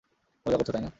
মজা করছো, তাই না?